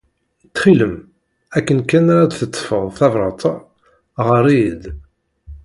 Ttxil-m, akken kan ara d-teḍḍfed tabṛat-a, ɣer-iyi-d.